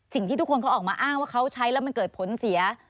สิ่งที่ทุกคนเขาออกมาอ้างว่าเขาใช้แล้วมันเกิดผลเสีย